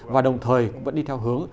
và đồng thời vẫn đi theo hướng